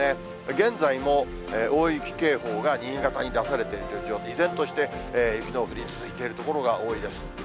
現在も大雪警報が新潟に出されている状況で、依然として、雪の降り続いている所が多いです。